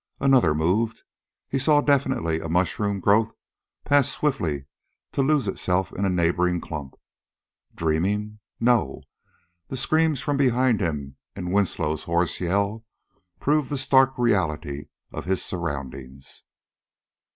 Another moved. He saw definitely a mushroom growth pass swiftly to lose itself in a neighboring clump. Dreaming? No! The screams from behind him and Winslow's hoarse yell proved the stark reality of his surroundings.